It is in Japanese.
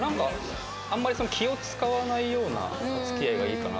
あんまり気を使わないようなお付き合いがいいかなと思って。